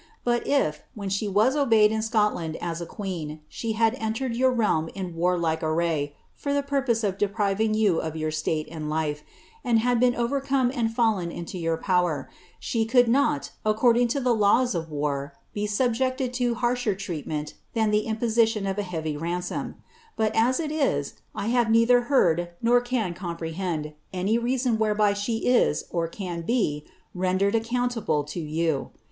But if, when she was obeyed in leoiland as a queen, she had entered your realm in warlike array, for the pur Mte of depriving you of your state and life, and had been overcome and fallen BIO your power, she could not, according to the laws of war, be subjected to liither treatment than the imposition of a heavy ransom ; but as it is, I have wither heard, nor can comprehend, any reason whereby she is, or can be, ren lered accountable to yon.